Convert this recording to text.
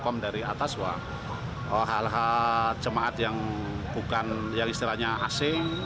di perintah dari atas rekom dari atas hal hal jemaat yang bukan asing